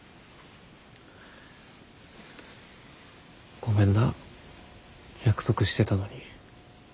ごめんな約束してたのに。